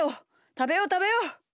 たべようたべよう！